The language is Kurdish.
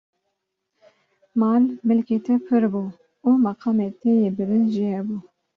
mal, milkê te pir bû û meqamê te yê bilind jî hebû.